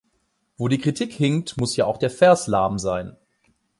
Wo die Kritik hinkt, muß ja auch der Vers lahm sein.